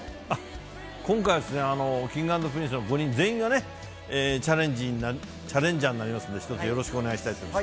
今回は、Ｋｉｎｇ＆Ｐｒｉｎｃｅの５人全員がね、チャレンジャーになりますんで、一つよろしくお願いしたいと思います。